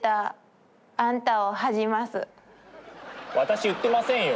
私言ってませんよ。